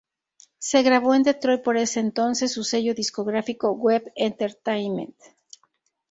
Se grabó en Detroit por en ese entonces su sello discográfico Web Entertaiment.